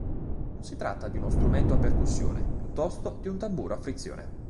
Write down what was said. Non si tratta di uno strumento a percussione, piuttosto di un tamburo a frizione.